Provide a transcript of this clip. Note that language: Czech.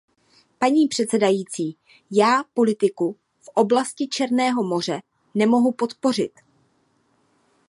Paní předsedající, já politiku v oblasti Černého moře nemohu podpořit.